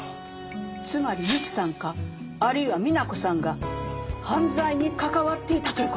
つまりゆきさんかあるいはみな子さんが犯罪に関わっていたという事？